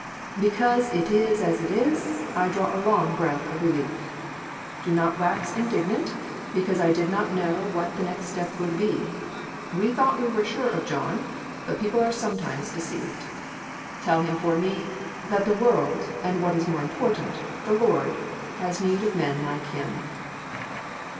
Because it is as it is, I draw a long breath of relief. Do not wax indignant, because I did not know what the next step would be; we thought we were sure of John, but people are sometimes deceived. Tell him for me, that the world, and what is more important, the Lord, has need of men like him."